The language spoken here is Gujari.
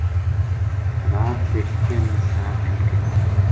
رات بیٹکیاں نے ساگ چُن کے آنیو